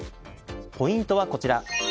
ポイントはこちら。